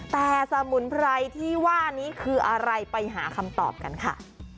แต่สมุนไพรที่ว่านี้คืออะไรไปหาคำตอบกันค่ะ